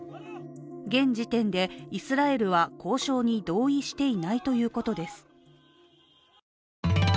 現時点でイスラエルは交渉に同意していないということです。